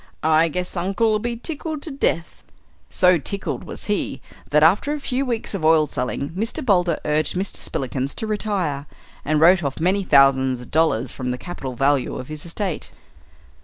I guess uncle'll be tickled to death." So tickled was he that after a few weeks of oil selling Mr. Boulder urged Mr. Spillikins to retire, and wrote off many thousand dollars from the capital value of his estate.